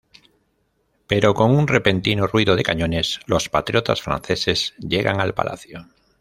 Pero, con un repentino ruido de cañones, los patriotas franceses llegan al palacio.